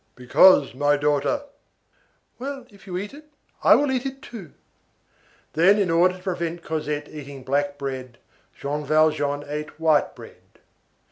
"Because, my daughter." "Well, if you eat it, I will eat it too." Then, in order to prevent Cosette eating black bread, Jean Valjean ate white bread.